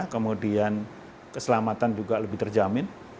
kemudian keselamatan juga lebih terjamin